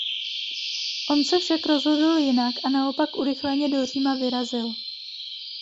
On se však rozhodl jinak a naopak urychleně do Říma vyrazil.